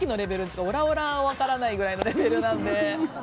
オラオラが分からないぐらいのレベルなので。